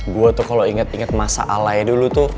gue tuh kalau inget inget masa alanya dulu tuh